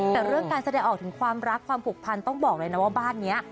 แต่เรื่องการแสดงออกถึงความรักความผูกพันต้องบอกเลยนะว่าบ้านนี้